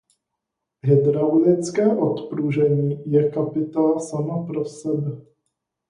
Hydraulické odpružení je kapitola sama pro sebe.